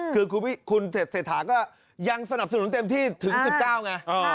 คือคุณเศรษฐาก็ยังสนับสนุนเต็มที่ถึง๑๙ไง